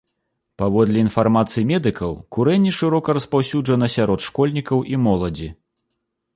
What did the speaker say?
Паводле інфармацыі медыкаў, курэнне шырока распаўсюджана сярод школьнікаў і моладзі.